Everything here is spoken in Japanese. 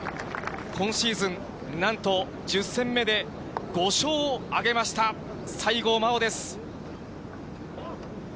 今シーズン、なんと１０戦目で５勝を挙げました、西郷真央です。